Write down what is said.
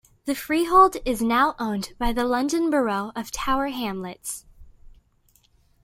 The freehold is now owned by the London Borough of Tower Hamlets.